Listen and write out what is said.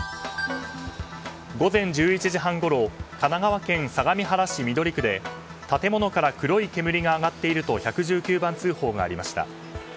午前１１時半ごろ神奈川県相模原市緑区で建物から黒い煙が上がっていると１１９番通報がありました。